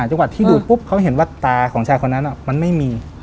จังหวัดที่ดูดปุ๊บเขาเห็นว่าตาของชายคนนั้นมันไม่มี